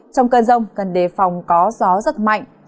trong cơn rông cần đề phòng có gió rất mạnh